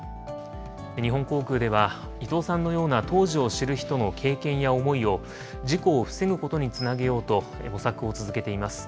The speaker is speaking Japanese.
日本航空では、伊藤さんのような当時を知る人の経験や思いを、事故を防ぐことにつなげようと、模索を続けています。